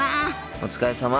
お疲れさま。